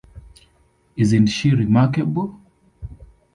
Isn't she remarkable?